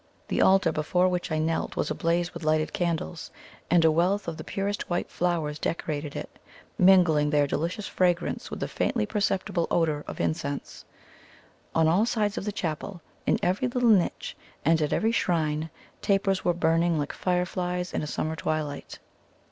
The altar before which I knelt was ablaze with lighted candles, and a wealth of the purest white flowers decorated it, mingling their delicious fragrance with the faintly perceptible odour of incense. On all sides of the chapel, in every little niche, and at every shrine, tapers were burning like fireflies in a summer twilight.